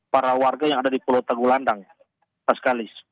para warga yang ada di pulau tagulandang pak sekalis